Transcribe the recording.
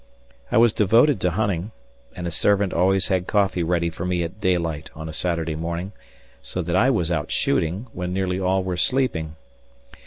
I was devoted to hunting, and a servant always had coffee ready for me at daylight on a Saturday morning, so that I was out shooting when nearly all were sleeping.